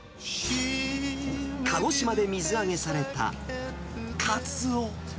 鹿児島で水揚げされたカツオ。